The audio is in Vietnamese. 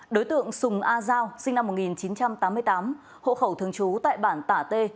đối tượng sùng a giao sinh năm một nghìn chín trăm tám mươi tám hộ khẩu thường trú tại bản tả t